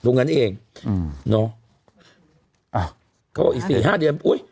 ดูงั้นเองอืมเนอะอ่ะก็อีกสี่ห้าเดือนอุ้ย